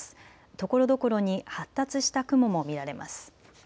ところどころに発達した雲も見られます。